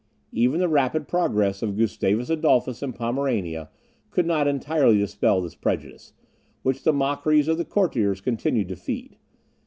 Even the rapid progress of Gustavus Adolphus in Pomerania, could not entirely dispel this prejudice, which the mockeries of the courtiers continued to feed.